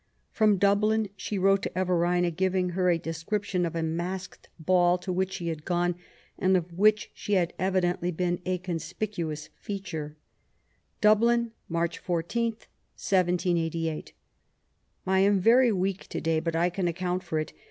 From Dublin she wrote to Everina giving her a description of a masked ball to which she had gone> and of which she had evidently been a conspicuous feature :— Dublin, March 14, 178a ... I am very weak to day, but I can accoont for it.